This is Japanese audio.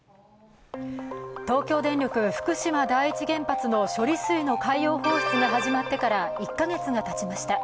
東京電力福島第一原発の処理水の海洋放出が始まってから１か月がたちました。